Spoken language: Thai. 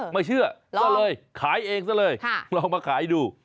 ไม่เชื่อก็เลยขายเองซะเลยลองมาขายดู